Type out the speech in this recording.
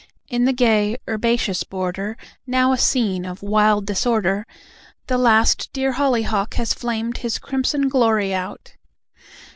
In the gay herbaceous border, Now a scene of wild disorder, The last dear hollyhock has flamed his crimson glory out.